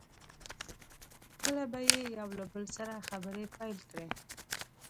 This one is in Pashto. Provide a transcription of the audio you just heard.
کله به یې یو له بل سره خبرې پیل کړې.